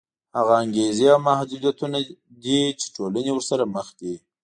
هغه انګېزې او محدودیتونه دي چې ټولنې ورسره مخ دي.